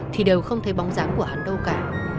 thì đều không thấy bóng dáng của hắn đâu cả